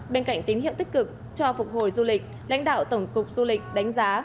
bên cạnh tín hiệu tích cực cho phục hồi du lịch lãnh đạo tổng cục du lịch đánh giá